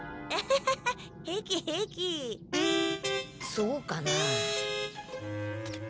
そうかな？